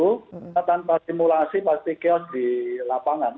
kita tanpa simulasi pasti chaos di lapangan